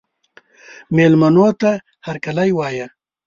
مېلمنو ته هرکلی وایه.